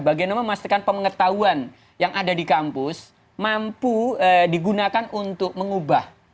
bagian namanya memastikan pemengetahuan yang ada di kampus mampu digunakan untuk mengubah